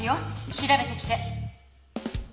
調べてきて！